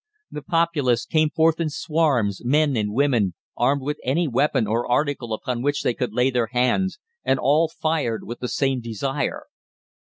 The populace came forth in swarms, men and women, armed with any weapon or article upon which they could lay their hands, and all fired with the same desire.